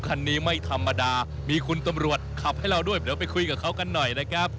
คันนี้ไม่ธรรมดามีคุณตำรวจขับให้เราด้วยเดี๋ยวไปคุยกับเขากันหน่อยนะครับ